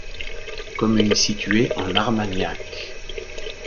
Commune située en Armagnac.